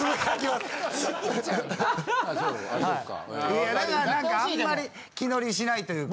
いやだからなんかあんまり気乗りしないというか。